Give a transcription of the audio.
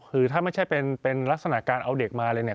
คือถ้าไม่ใช่เป็นลักษณะการเอาเด็กมาเลยเนี่ย